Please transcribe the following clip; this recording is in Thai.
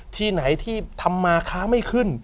ที่ไหนที่ทำมาค้าไม่ขึ้น